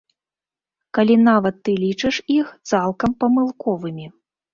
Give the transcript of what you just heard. Калі нават ты лічыш іх цалкам памылковымі.